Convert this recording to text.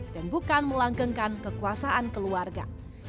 dan bukan melanggengkan kekuasaan keluarga